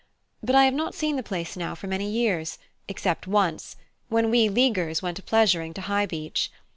But I have not seen the place now for many years, except once, when we Leaguers went a pleasuring to High Beech.